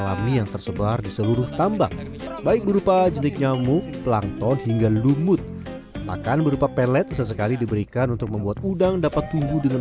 langton hingga lumut makan berupa pelet sesekali diberikan untuk membuat udang dapat tumbuh dengan